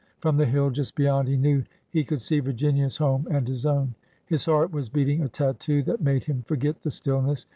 From the hill just beyond he knew he could see Virginia's home and his own. His heart was beating a tattoo that made him forget the stillness.